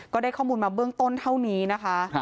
ก็ได้ข้อมูลมาเบื้องต้นเท่านี้นะคะ